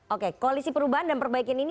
oke koalisi perubahan dan perbaikan ini